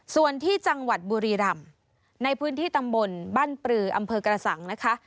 ส่วนที่จังหวัดบุรีรำในพื้นที่ตำบลบ้านปลืออำเภอกระสังนะคะ